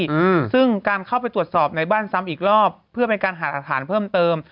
อืมซึ่งการเข้าไปตรวจสอบในบ้านซ้ำอีกรอบเพื่อเป็นการหารักฐานเพิ่มเติม